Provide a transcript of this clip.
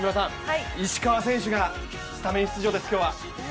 石川選手がスタメン出場です、今日は。